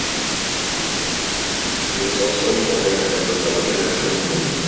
He was also a chairman of the Republican National Committee.